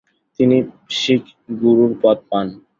তিনি শিখ গুরুর পদ পান।